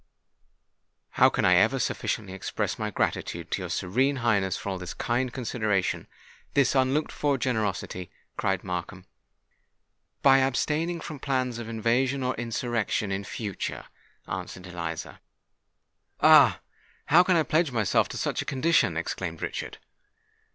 "How can I ever sufficiently express my gratitude to your Serene Highness for all this kind consideration—this unlooked for generosity?" cried Markham. "By abstaining from plans of invasion or insurrection in future," answered Eliza. "Ah! how can I pledge myself to such a condition?" exclaimed Richard.